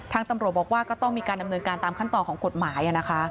ตำรวจบอกว่าก็ต้องมีการดำเนินการตามขั้นตอนของกฎหมาย